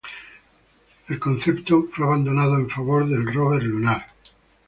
El concepto fue abandonado en favor del rover lunar.